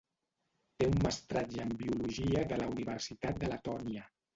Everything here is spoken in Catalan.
Té un mestratge en Biologia de la Universitat de Letònia.